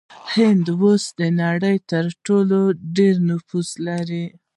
هند اوس د نړۍ تر ټولو ډیر نفوس لري.